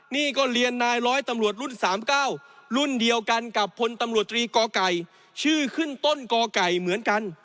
นี่ก็เรียนนายร้อยตำรวจรุ่น๓๙รุ่นเดียวกันกับพลตำรวจตรีก่อไก่ชื่อขึ้นต้นกไก่เหมือนกัน